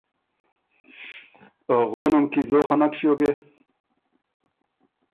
غونه م کی ځوک خه نک ݭیوکې؟